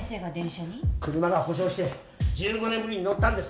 車が故障して１５年ぶりに乗ったんです。